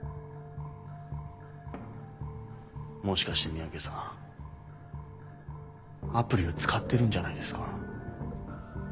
もしかして三宅さんアプリを使ってるんじゃないですか？